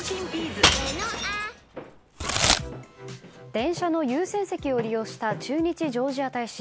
電車の優先席を利用した駐日ジョージア大使。